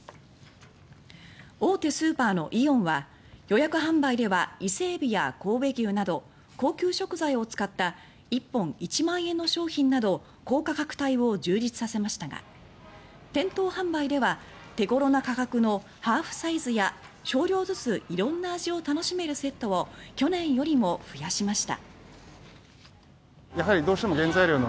大手スーパーのイオンは予約販売では伊勢エビや神戸牛など高級食材を使った１本１万円の商品など高価格帯を充実させましたが店頭販売では手頃な価格のハーフサイズや少量ずつ色んな味を楽しめるセットを去年よりも増やしました。